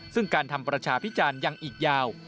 ซึ่งการทำประชาพิจารณ์ยังอีกยาว